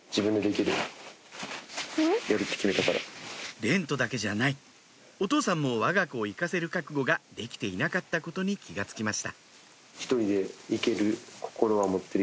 蓮和だけじゃないお父さんも我が子を行かせる覚悟ができていなかったことに気が付きました